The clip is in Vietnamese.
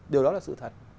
điều đó là sự thật